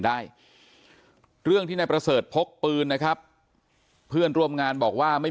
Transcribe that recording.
ได้เรื่องที่นายประเสริฐพกปืนนะครับเพื่อนร่วมงานบอกว่าไม่